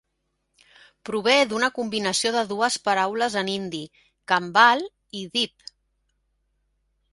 Prové d'una combinacio de dues paraules en hindi: "kanwal" i "deep".